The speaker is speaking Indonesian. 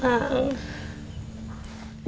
jam berapa sekarang